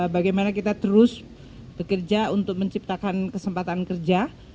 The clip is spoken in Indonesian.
bagaimana kita terus bekerja untuk menciptakan kesempatan kerja